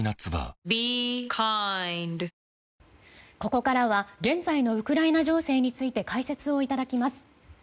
ここからは現在のウクライナ情勢について解説をいただきます。